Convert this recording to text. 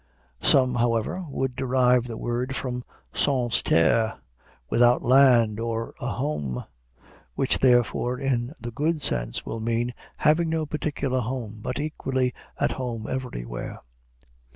Some, however, would derive the word from sans terre, without land or a home, which, therefore, in the good sense, will mean, having no particular home, but equally at home everywhere.